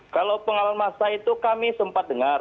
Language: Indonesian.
kalau pengalaman masa itu kami sempat dengar